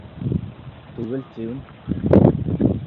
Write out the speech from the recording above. Түгел, тим!